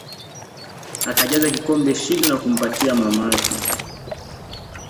Akajaza kikombe shinda na kumpatia mamake